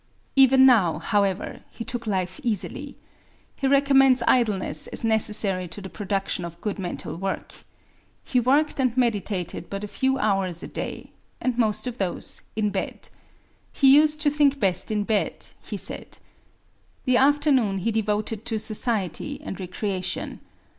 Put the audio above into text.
Even now, however, he took life easily. He recommends idleness as necessary to the production of good mental work. He worked and meditated but a few hours a day: and most of those in bed. He used to think best in bed, he said. The afternoon he devoted to society and recreation.